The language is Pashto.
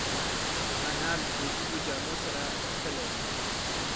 انا له دودیزو جامو سره علاقه لري